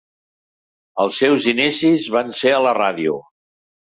Els seus inicis van ser a la ràdio.